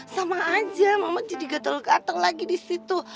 sama aja mama jadi gatel gatel lagi di situ